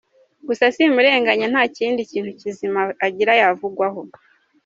Gusa simurenganya nta kindi kizima agira yavugwaho.